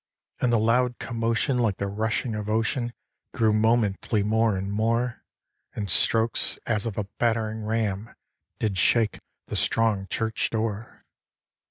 And the loud commotion, like the rushing of ocean, Grew momently more and more; And strokes as of a battering ram Did shake the strong church door.